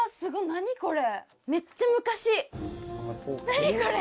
何これ！